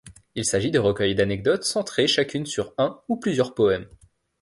Il s'agit de recueils d’anecdotes centrées chacune sur un ou plusieurs poèmes.